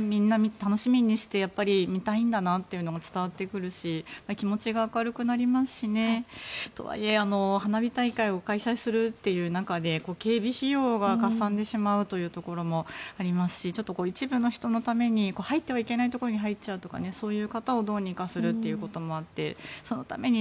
みんな楽しみにして見たいんだなというのが伝わってくるし気持ちが明るくなりますしね。とはいえ花火大会を開催するという中で警備費用がかさんでしまうというところもありますし一部の人のために入っていけないところに息子が ＫＵＭＯＮ を始めた